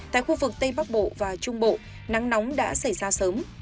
tại khu vực tây bắc bộ và trung bộ nắng nóng đã xảy ra sớm